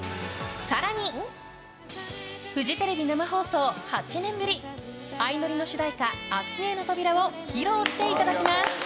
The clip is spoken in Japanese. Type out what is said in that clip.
更に、フジテレビ生放送８年ぶり「あいのり」の主題歌「明日への扉」を披露していただきます。